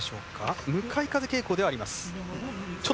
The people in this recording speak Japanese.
向かい風傾向ではあります。